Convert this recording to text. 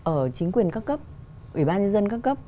ở chính quyền cấp cấp ủy ban nhân dân cấp cấp